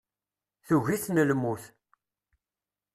Tugi-ten lmut.